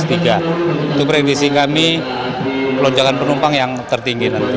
itu prediksi kami lonjakan penumpang yang tertinggi nanti